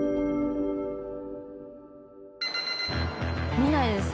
見ないですね